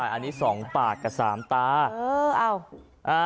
อันนี้๒ปากกับ๓ตา